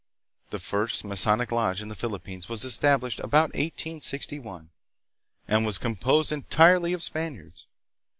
The first Masonic lodge in the Philippines was established about 1861 and was composed entirely of Spaniards.